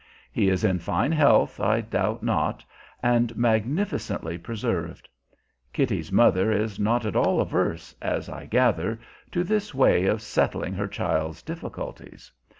He is in fine health, I doubt not, and magnificently preserved. Kitty's mother is not at all averse, as I gather, to this way of settling her child's difficulties.